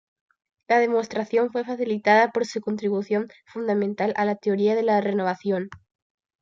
La demostración fue facilitada por su contribución fundamental a la teoría de la renovación.